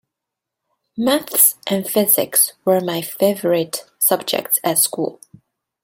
Maths and physics were my favourite subjects at school